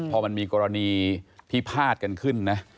พอมันมีกรณีที่พาดกันขึ้นนะ